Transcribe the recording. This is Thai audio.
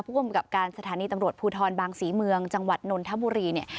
กำกับการสถานีตำรวจภูทรบางศรีเมืองจังหวัดนนทบุรีเนี่ย